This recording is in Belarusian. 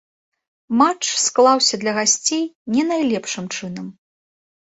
Матч склаўся для гасцей не найлепшым чынам.